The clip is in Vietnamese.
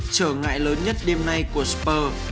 trở ngại lớn nhất đêm nay của spurs